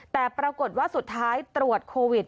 แต่ปรากฏว่าสุดท้ายตรวจโควิด